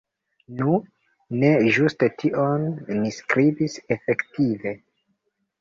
Nu, ne ĝuste tion ni skribis efektive.